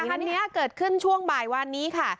อันนี้เกิดขึ้นช่วงบ่ายวันนี้ค่ะ